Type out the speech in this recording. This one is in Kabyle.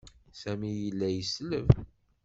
Sami yella yesleb.